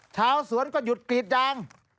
ชาวสวนก็หยุดกรีดยาง